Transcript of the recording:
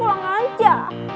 mau pulang aja